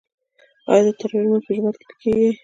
آیا د تراويح لمونځ په جومات کې نه کیږي؟